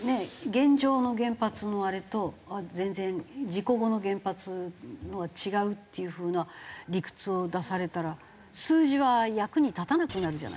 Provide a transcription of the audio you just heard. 現状の原発のあれと全然事故後の原発のは違うっていう風な理屈を出されたら数字は役に立たなくなるじゃないですか。